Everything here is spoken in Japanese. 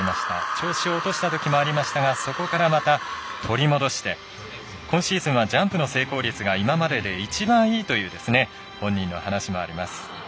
調子を落としたときもありましたがそこからまた取り戻して今シーズンはジャンプの成功率が今までで一番いいという本人の話もあります。